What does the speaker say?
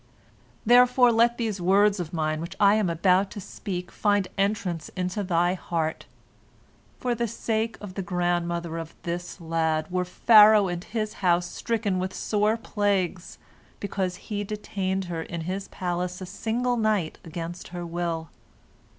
"Therefore let these words of mine which I am about to speak find entrance into thy heart: For the sake of the grandmother of this lad were Pharaoh and his house stricken with sore plagues, because he detained her in his palace a single night against her will.